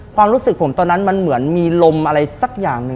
ความรู้สึกตอนนั้นมันเหมือนมีริมอะไรสักอย่าง